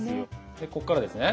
でこっからですね。